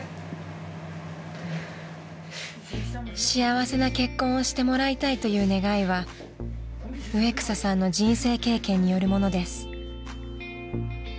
［幸せな結婚をしてもらいたいという願いは植草さんの人生経験によるものです］